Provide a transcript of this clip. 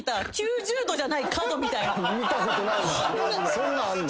そんなんあんの？